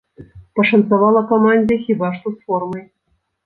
Пашанцавала камандзе хіба што з формай.